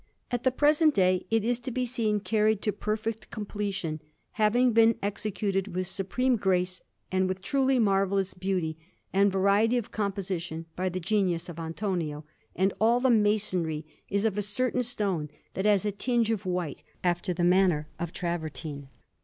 At the present day it is to be seen carried to perfect completion, having been executed with supreme grace, and with truly marvellous beauty and variety of composition, by the genius of Antonio, and all the masonry is of a certain stone that has a tinge of white, after the manner of travertine.